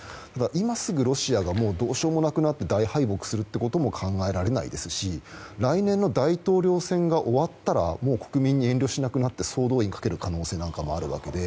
今すぐロシアがどうしようもなくなって大敗北することも考えられないですし来年の大統領選が終わったらもう国民に遠慮しなくなって総動員をかける可能性もあるわけで。